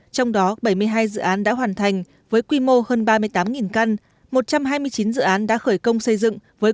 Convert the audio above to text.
trong đó bảy mươi hai dự án đã hoàn thành với quy mô hơn ba mươi tám căn một trăm hai mươi chín dự án đã khởi công xây dựng